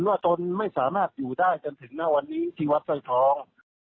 ตนไม่สามารถอยู่ได้จนถึงณวันนี้ที่วัดสร้อยทอง